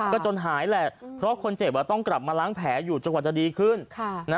ก็จนหายแหละเพราะคนเจ็บต้องกลับมาล้างแผลอยู่จนกว่าจะดีขึ้น